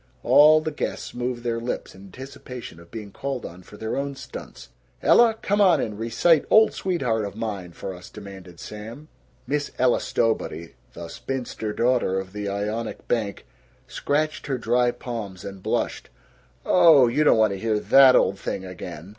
All the guests moved their lips in anticipation of being called on for their own stunts. "Ella, come on and recite 'Old Sweetheart of Mine,' for us," demanded Sam. Miss Ella Stowbody, the spinster daughter of the Ionic bank, scratched her dry palms and blushed. "Oh, you don't want to hear that old thing again."